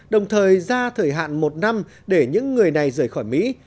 đồng thời ra thời hạn một năm để những người này rời khỏi mỹ